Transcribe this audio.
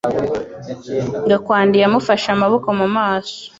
Gakwandi yamufashe amaboko mu maso